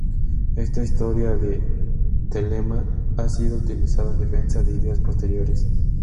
Esta historia de Thelema ha sido utilizada en defensa de ideas posteriores.